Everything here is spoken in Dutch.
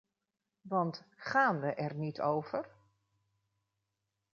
Want, gáán we er niet over?